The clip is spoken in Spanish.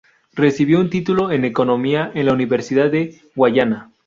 Recibió un título en Economía en la Universidad de Guyana.